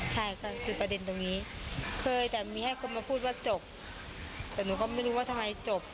ใช่ค่ะคือประเด็นตรงนี้เคยแต่มีให้คนมาพูดว่าจบแต่หนูก็ไม่รู้ว่าทำไมจบ